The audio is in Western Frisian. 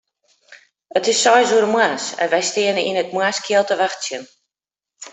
It is seis oere moarns en wy steane yn 'e moarnskjeld te wachtsjen.